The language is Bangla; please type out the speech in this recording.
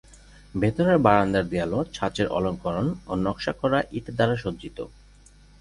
ভেতরের বারান্দার দেয়ালও ছাঁচের অলঙ্করণ ও নকশা করা ইট দ্বারা সজ্জিত।